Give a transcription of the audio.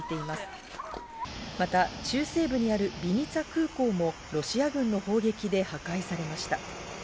また中西部にあるビニツァ空港もロシア軍の砲撃で破壊されました。